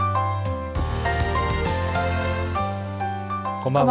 こんばんは。